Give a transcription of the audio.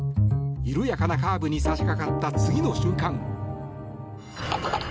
緩やかなカーブに差しかかった次の瞬間。